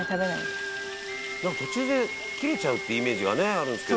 「なんか途中で切れちゃうってイメージがねあるんですけど」